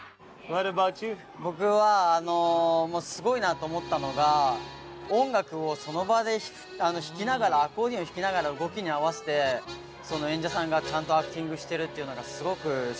僕はすごいなと思ったのが音楽をその場で弾きながらアコーディオン弾きながら動きに合わせてその演者さんがちゃんとアクティングしてるっていうのがすごく衝撃的でしたね。